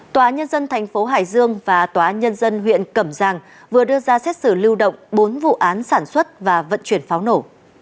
tòa nhân dân thành phố hải dương và tòa nhân dân huyện cẩm giang vừa đưa ra xét xử lưu động bốn vụ án sản xuất và vận chuyển pháo nổ